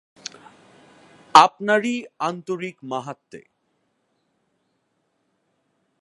আপনারই আন্তরিক মাহাত্ম্যে।